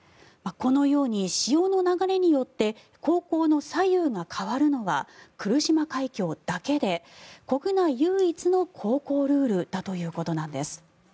このように潮の流れによって航行の左右が変わるのは来島海峡だけで国内唯一の航行ルールだということなんです。